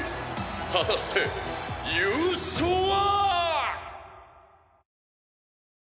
果たして優勝は！？